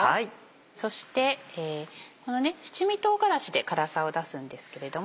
そしてこの七味唐辛子で辛さを出すんですけれども。